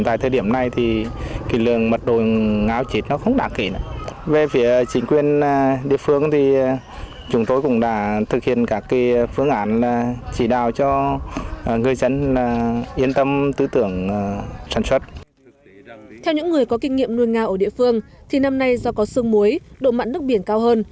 theo những người có kinh nghiệm nuôi ngao ở địa phương thì năm nay do có sương muối độ mặn nước biển cao hơn